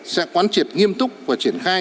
sẽ quan triệp nghiêm túc và triển khai